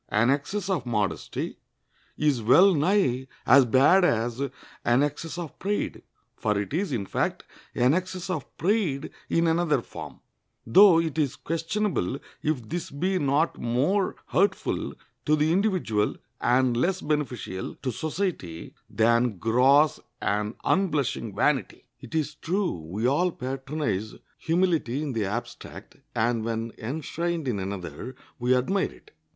An excess of modesty is well nigh as bad as an excess of pride, for it is, in fact, an excess of pride in another form, though it is questionable if this be not more hurtful to the individual and less beneficial to society than gross and unblushing vanity. It is true, we all patronize humility in the abstract, and, when enshrined in another, we admire it.